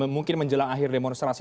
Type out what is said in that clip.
mungkin menjelang akhir demonstrasi